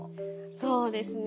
そうですね。